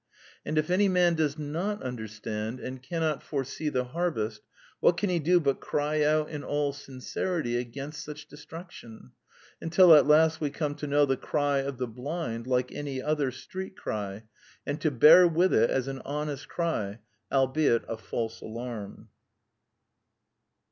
And if any man The Womanly Woman 49 does not understand, and cannot foresee the har vest, what can he do but cry out in all sincerity against such destruction, until at last we come to know the cry of the blind like any other street cry, and to bear with it as an honest cry, albeit a false alarm